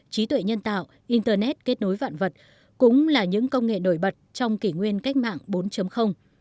trí tuệ nhân tạo internet kết nối vạn vật cũng là những công nghệ nổi bật trong kỷ nguyên cách mạng bốn